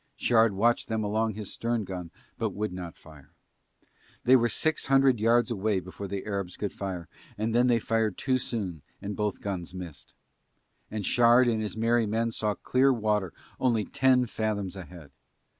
Shard watched them along his stern gun but would not fire. They were six hundred yards away before the Arabs could fire and then they fired too soon and both guns missed. And Shard and his merry men saw clear water only ten fathoms ahead.